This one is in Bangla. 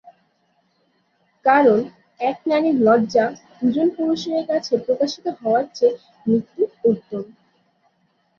কারণ এক নারীর লজ্জা দু'জন পুরুষের কাছে প্রকাশিত হওয়ার চেয়ে মৃত্যু উত্তম।